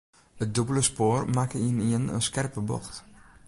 It dûbelde spoar makke ynienen in skerpe bocht.